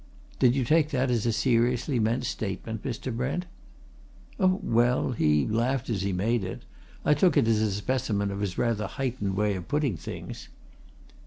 "Did you take that as a seriously meant statement, Mr. Brent?" "Oh, well he laughed as he made it. I took it as a specimen of his rather heightened way of putting things."